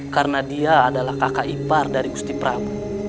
karena dia adalah kakak ipar dari musti pramu